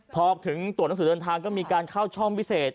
พอถึงตัวหนังสือเดินทางก็มีการเข้าช่องพิเศษ